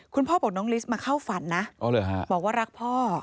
พ่อบอกน้องลิสมาเข้าฝันนะบอกว่ารักพ่อ